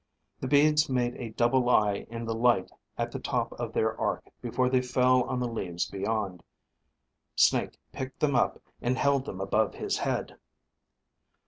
The beads made a double eye in the light at the top of their arc before they fell on the leaves beyond. Snake picked them up and held them above his head.